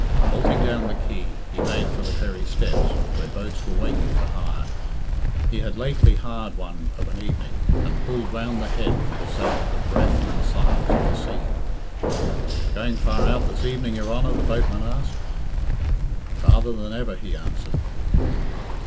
Halting down the quay, he made for the ferry steps, where boats were waiting for hire. He had lately hired one of an evening, and pulled round the Head for the sake of the breath and the silence of the sea. "Going far out this evening, your Honor?" the boatman asked. "Farther than ever," he answered.